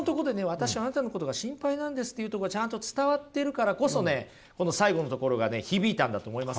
私あなたのことが心配なんですっていうとこがちゃんと伝わっているからこそねこの最後のところがね響いたんだと思いますよ。